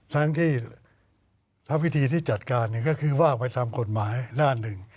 ทั้งที่ถ้าวิธีที่จัดการก็คือว่าไปตามกฎหมายด้านหนึ่ง